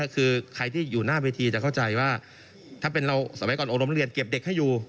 คือใครที่อยู่หน้าเวทีจะเข้าใจว่าถ้าเป็นเราสมัยก่อนอบรมนักเรียนเก็บเด็กให้อยู่